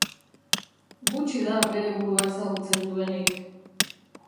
Gutxi da bere burua ezagutzen duenik